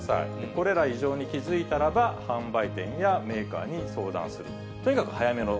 これら、異常に気づいたらば、販売店やメーカーに相談する。